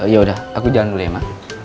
yaudah aku jalan dulu ya ma